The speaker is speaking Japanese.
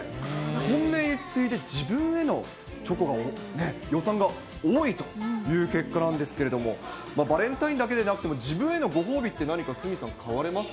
本命に次いで、自分へのチョコが、予算が多いという結果なんですけれども、バレンタインデーだけでなくても、自分へのご褒美って、何か鷲見さん、買われます？